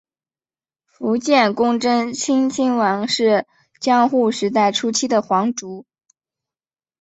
伏见宫贞清亲王是江户时代初期的皇族。